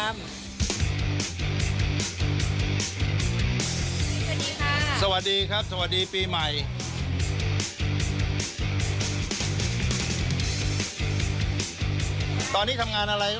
ไม่มีเจ็บค่ะ